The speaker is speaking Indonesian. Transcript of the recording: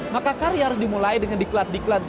maka karya harus dimulai dengan diklat diklat